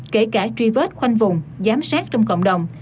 kể cả truy vết khoanh vùng giám sát trong cộng đồng